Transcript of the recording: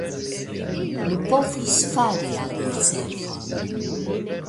Mi povus fari al li servon.